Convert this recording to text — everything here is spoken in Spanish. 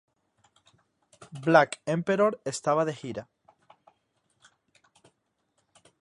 Black Emperor estaba de gira.